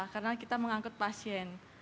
karena kita mengangkut pasien